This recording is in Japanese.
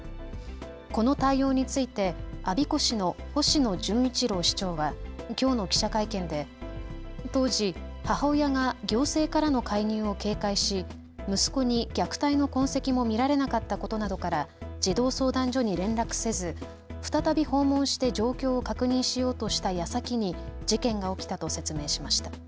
この対応について我孫子市の星野順一郎市長はきょうの記者会見で当時、母親が行政からの介入を警戒し息子に虐待の痕跡も見られなかったことなどから児童相談所に連絡せず再び訪問して状況を確認しようとしたやさきに事件が起きたと説明しました。